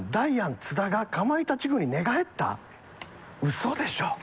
嘘でしょ？